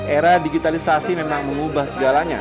era digitalisasi memang mengubah segalanya